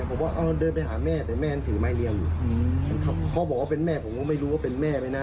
ผมว่าเอาเดินไปหาแม่แต่แม่ยังถือไม้เรียงอยู่เขาบอกว่าเป็นแม่ผมก็ไม่รู้ว่าเป็นแม่ไหมนะ